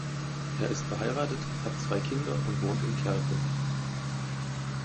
Er ist verheiratet, hat zwei Kinder und wohnt in Kerpen.